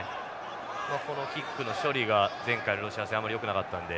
このキックの処理が前回のロシア戦はあまりよくなかったので。